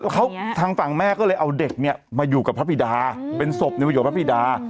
เขาทางฝั่งแม่ก็เลยเอาเด็กเนี่ยมาอยู่กับพระพิดาเป็นศพในประโยชนพระพิดา